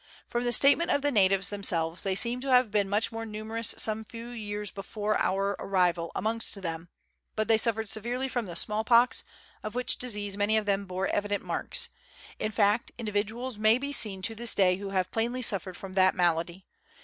From the statement of the natives themselves, they seem to have been, much more numerous some few years before our arrival amongst them, but they suffered severely from the small pox, of which disease many of them bore evident marks ; in fact, individuals may be seen to this day who have plainly suffered from that malady.